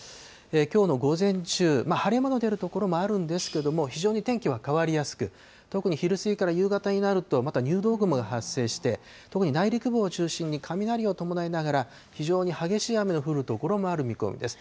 きょうの午前中、晴れ間の出る所もあるんですけれども、非常に天気は変わりやすく、特に昼過ぎから夕方になると、また入道雲が発生して、特に内陸部を中心に雷を伴いながら、非常に激しい雨の降る所もある見込みです。